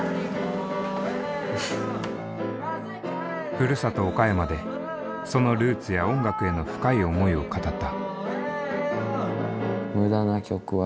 ふるさと岡山でそのルーツや音楽への深い思いを語った。